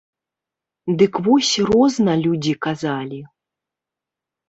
Дык вось розна людзі казалі.